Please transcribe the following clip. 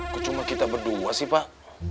kok cuma kita berdua sih pak